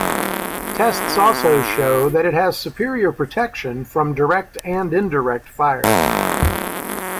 Tests also show that it has superior protection from direct and indirect fire.